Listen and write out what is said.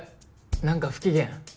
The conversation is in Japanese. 何か不機嫌？